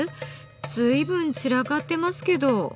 随分散らかってますけど。